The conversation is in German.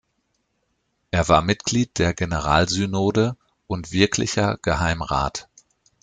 Er war Mitglied der Generalsynode und Wirklicher Geheimrat.